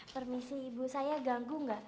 permisi ibu saya ganggu gak